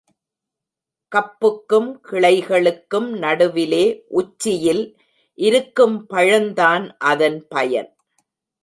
கப்புக்கும் கிளைகளுக்கும் நடுவிலே உச்சியில் இருக்கும் பழந்தான் அதன் பயன்.